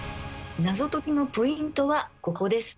謎解きのポイントはここです。